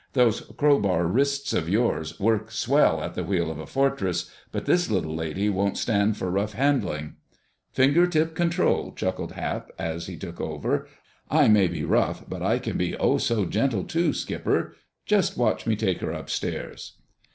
"Those crowbar wrists of yours work swell at the wheel of a Fortress, but this little lady won't stand for rough handling." "Finger tip control!" chuckled Hap as he took over. "I may be rough, but I can be oh, so gentle, too, Skipper! Just watch me take her upstairs."